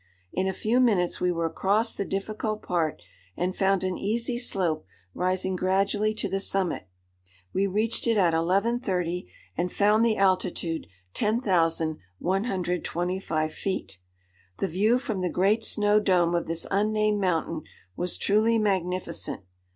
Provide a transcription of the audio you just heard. In a few minutes we were across the difficult part and found an easy slope rising gradually to the summit. We reached it at 11:30, and found the altitude 10,125 feet. The view from the great snow dome of this unnamed mountain was truly magnificent.